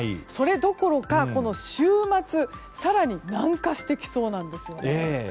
それどころかこの週末、更に南下してきそうなんです。